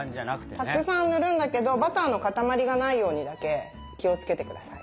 たくさん塗るんだけどバターの塊がないようにだけ気をつけてください。